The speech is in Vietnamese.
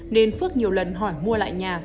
nên phước nhiều lần hỏi mua lại nhà